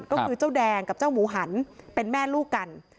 ก็คือเจ้าแดงกับเจ้าหมูหันเป็นแม่ลูกกัน